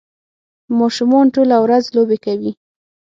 ماشومان ټوله ورځ لوبې کوي.